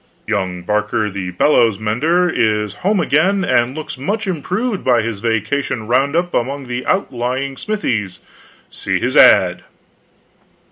Young Barker the bellows mender is hoMe again, and looks much improved by his vacation round up among the out lying smithies. See his ad.